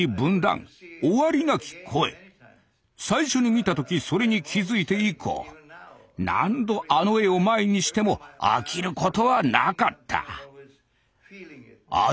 最初に見た時それに気付いて以降何度あの絵を前にしても飽きることはなかった。